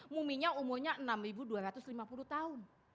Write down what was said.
muminya umurnya enam dua ratus lima puluh tahun